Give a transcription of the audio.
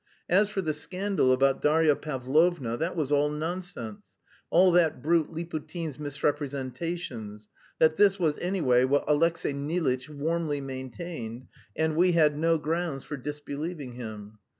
As for the scandal about Darya Pavlovna, that was all nonsense, all that brute Liputin's misrepresentations, that this was anyway what Alexey Nilitch warmly maintained, and we had no grounds for disbelieving him.